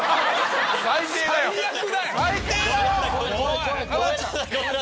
最悪だよ！